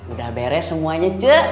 udah beres semuanya